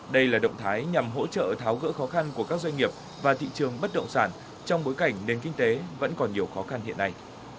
đây là động thái nhằm hỗ trợ tháo gỡ khó khăn của các doanh nghiệp và thị trường bất động sản trong bối cảnh nền kinh tế vẫn còn nhiều khó khăn hiện nay